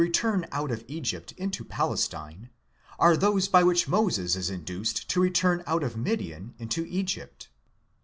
177 return out of Egypt into Palestine, are those by which Moses is induced to return out of Midian into Egypt.